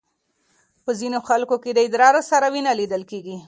په ځینو خلکو کې د ادرار سره وینه لیدل کېږي.